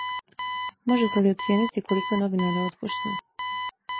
Можете ли оцијенити колико је новинара отпуштено?